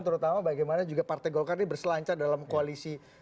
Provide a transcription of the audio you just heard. terutama bagaimana juga partai golkar ini berselancar dalam koalisi